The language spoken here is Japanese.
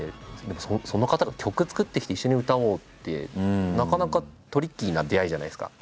その方が曲作ってきて一緒に歌おうってなかなかトリッキーな出会いじゃないですか。